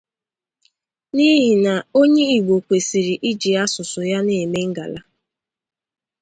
n'ihi na onye Igbo kwesiri iji asụsụ ya na-eme ngala.